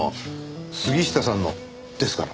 杉下さんのですから。